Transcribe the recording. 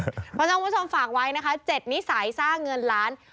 เพราะฉะนั้นคุณผู้ชมฝากไว้นะคะ๗นิสัยสร้างเงินล้าน